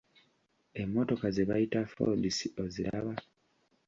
Emmotoka ze bayita Fords oziraba?